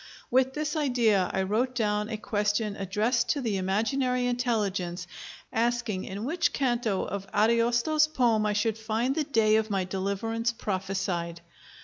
With this idea I wrote down a question addressed to the imaginary intelligence, asking in which canto of Ariosto's poem I should find the day of my deliverance prophesied.